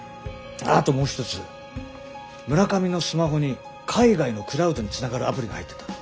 村上のスマホに海外のクラウドにつながるアプリが入ってた。